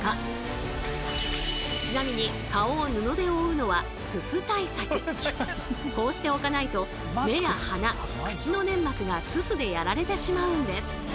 ちなみにこうしておかないと目や鼻口の粘膜がススでやられてしまうんです。